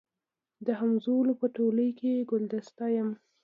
د همزولو په ټولۍ کي ګلدسته یم